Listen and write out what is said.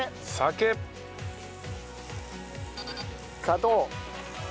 砂糖。